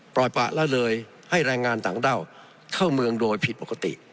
ปล่อยปะละเลยให้แรงงานต่างด้าวเข้าเมืองโดยผิดปกติ